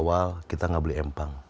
awal kita nggak beli empang